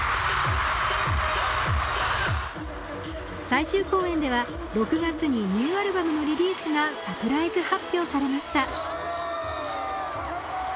最終公演では６月にニューアルバムのリリースがサプライズ発表されました。